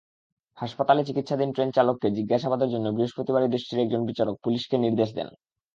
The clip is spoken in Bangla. হাসপাতালে চিকিৎসাধীন ট্রেনচালককে জিজ্ঞাসাবাদের জন্য বৃহস্পতিবারই দেশটির একজন বিচারক পুলিশকে নির্দেশ দেন।